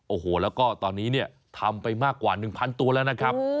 โอ้โหแล้วก็ตอนนี้เนี่ยทำไปมากกว่า๑๐๐ตัวแล้วนะครับ